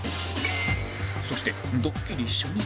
そしてドッキリ初日